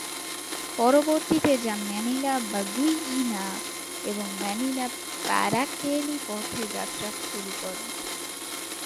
পরবর্তিতে যা ম্যানিলা-বাগুইনা এবং ম্যানিলা-পারাকেলি পথে যাত্রা শুরু করে।